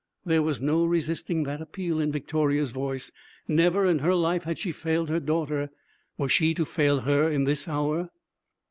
There was no resisting that appeal in Victoria's voice. Never in her life had she failed her daughter. Was she to fail her in this hour?